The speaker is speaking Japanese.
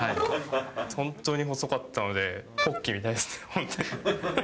本当に細かったので、ポッキーみたい、本当に。